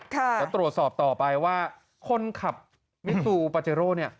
เดี๋ยวตรวจสอบต่อไปว่าคนขับมิซูปาเจโร่เนี่ย